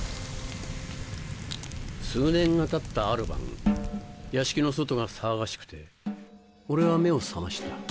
数年がたったある晩屋敷の外が騒がしくて俺は目を覚ました。